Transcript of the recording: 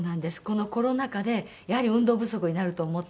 このコロナ禍でやはり運動不足になると思って。